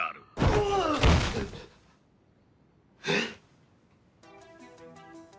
うわっ！えっ？えっ！？